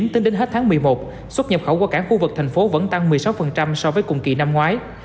tính đến hết tháng một mươi một xuất nhập khẩu qua cảng khu vực thành phố vẫn tăng một mươi sáu so với cùng kỳ năm ngoái